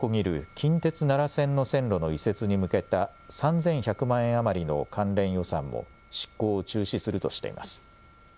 近鉄奈良線の線路の移設に向けた３１００万円余りの関連予算も執行を中止するとしています。